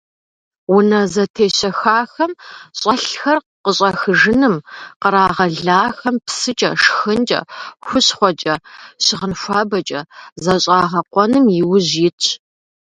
Унэ зэтещэхахэм щӀэлъхэр къыщӀэхыжыным, кърагъэлахэм псыкӀэ, шхынкӀэ, хущхъуэкӀэ, щыгъын хуабэкӀэ защӀэгъэкъуэным иужь итщ.